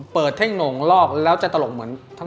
เปิดเท่งหนงลอกแล้วจะตลกเหมือนทั้งสาม